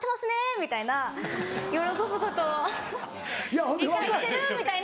みたいな喜ぶことを理解してるみたいな。